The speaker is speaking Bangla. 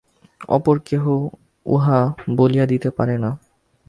অপর কেহ উহা বলিয়া দিতে পারে না।